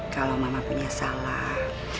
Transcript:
kalau mama punya salah